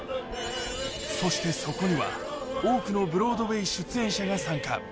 そしてそこには、多くのブロードウェイ出演者が参加。